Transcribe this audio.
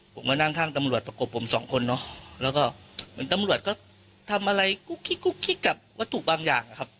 มานั่งข้างตำรวจประกบผมสองคนเนอะแล้วก็เหมือนตำรวจก็ทำอะไรกุ๊กกิ๊กกุ๊กกิ๊กกับวัตถุบางอย่างอะครับ